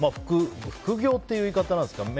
副業という言い方なんですかね？